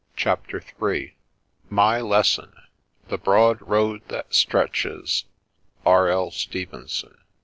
CHAPTER III Ac Xe00on '* The broad road that stretches." — R. L. Stevenson.